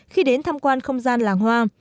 khi đến tham quan không gian làng hoa